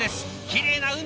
きれいな海！